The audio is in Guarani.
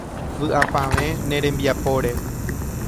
Vy'apavẽ ne rembiapóre.